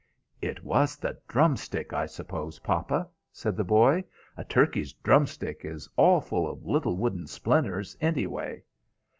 "It was the drumstick, I suppose, papa?" said the boy. "A turkey's drumstick is all full of little wooden splinters, anyway."